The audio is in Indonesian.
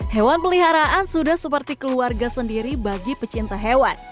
hewan peliharaan sudah seperti keluarga sendiri bagi pecinta hewan